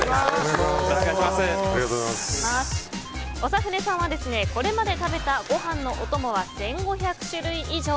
長船さんはこれまで食べたご飯のお供は１５００種類以上。